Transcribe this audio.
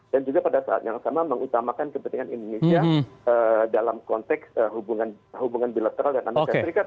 dan juga pada saat yang sama mengutamakan kepentingan indonesia dalam konteks hubungan bilateral dengan amerika serikat